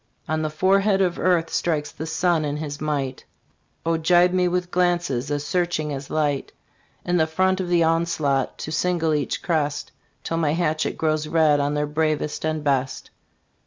On the forehead of Earth strikes the Sun in his might, Oh, gibe me with glances as searching as light, In the front of the onslaught to single each crest, Till my hatchet grows red on their bravest and best.